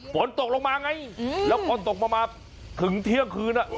ฝนตกลงมาไงแล้วพอตกมามาถึงเที่ยงคืน